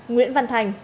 nguyễn văn thành